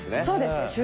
そうですね